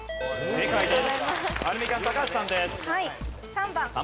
正解です。